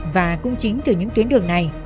và cũng chính từ những tuyến đường này